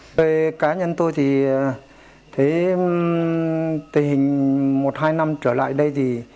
về cá nhân tôi thì tình hình một hai năm trở lại đây thì